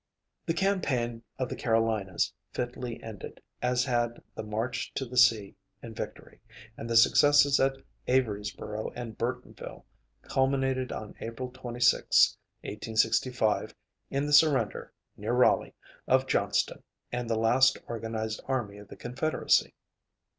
The campaign of the Carolinas fitly ended, as had the march to the sea, in victory; and the successes at Averysboro and Burtonville culminated on April 26, 1865, in the surrender, near Raleigh, of Johnston, and the last organized army of the Confederacy.